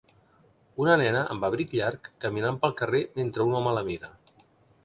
Una nena amb abric llarg caminant pel carrer mentre un home la mira